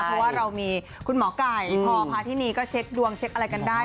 เพราะว่าเรามีคุณหมอไก่พอพาที่นี่ก็เช็คดวงเช็คอะไรกันได้